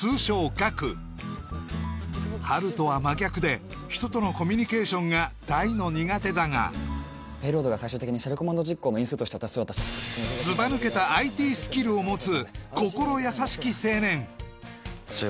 ガクハルとは真逆で人とのコミュニケーションが大の苦手だがペイロードが最終的にシェルコマンド実行の因数として渡せそうだったしを持つ心優しき